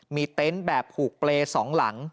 มีเตนท์แบบหูเปลสองหลัง